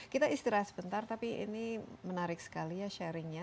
kita istirahat sebentar tapi ini menarik sekali ya sharingnya